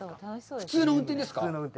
普通の運転ですか？